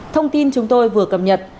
thông tin chúng tôi vừa cập nhật